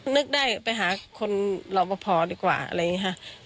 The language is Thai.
นึกได้ไปหาคนรอบพอดีกว่าอะไรอย่างนี้ค่ะ